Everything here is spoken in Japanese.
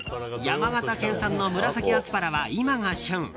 山形県産の紫アスパラは今が旬。